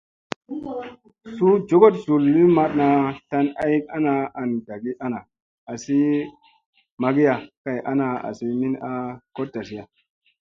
Suu jogoɗ zulli maɗna tlan ay ana an ɗagi ana asi magiya kay ana asi min a koɗtasiya.